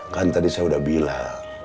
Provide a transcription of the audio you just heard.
kan tadi saya sudah bilang